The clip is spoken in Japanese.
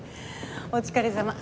お疲れさま。